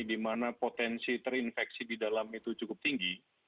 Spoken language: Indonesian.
di mana potensi terinfeksi di dalam itu cukup tinggi